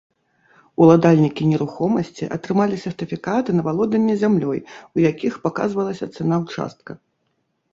Уладальнікі нерухомасці атрымалі сертыфікаты на валоданне зямлёй, у якіх паказвалася цана ўчастка.